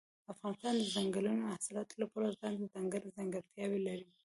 افغانستان د ځنګلي حاصلاتو له پلوه ځانته ځانګړې ځانګړتیاوې لري.